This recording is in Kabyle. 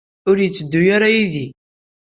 Ur yetteddu ara yid-i?